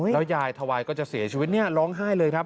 แล้วยายทวายก็จะเสียชีวิตเนี่ยร้องไห้เลยครับ